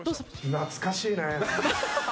懐かしい？